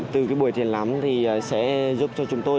từ buổi thiền lắm sẽ giúp cho chúng tôi